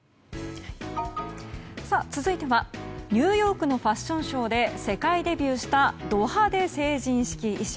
続いてはニューヨークのファッションショーで世界デビューしたド派手成人式衣装。